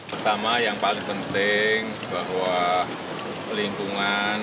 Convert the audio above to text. pertama yang paling penting bahwa lingkungan